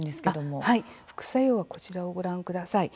副作用はこちらをご覧ください。